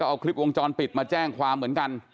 เอาคลิปวงจรปิดมาแจ้งความเหมือนกัน